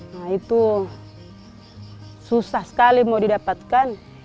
nah itu susah sekali mau didapatkan